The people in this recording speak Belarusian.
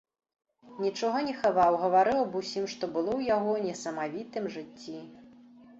Нічога не хаваў, гаварыў аб усім, што было ў яго несамавітым жыцці.